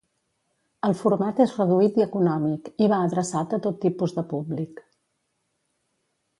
El format és reduït i econòmic, i va adreçat a tot tipus de públic.